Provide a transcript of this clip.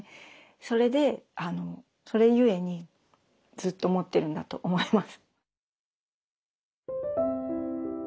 それでそれゆえにずっと持ってるんだと思います。